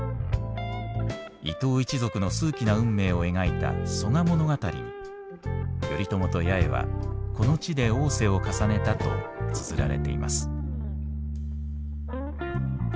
伊東一族の数奇な運命を描いた「曽我物語」に頼朝と八重はこの地で逢瀬を重ねたとつづられています。